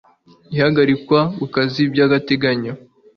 ihagarikwa ku kazi by agateganyo